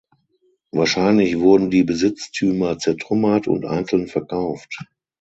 Wahrscheinlich wurden die Besitztümer zertrümmert und einzeln verkauft.